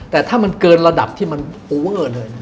แต่ถ้ามันเกินระดับที่มันโอเวอร์เลย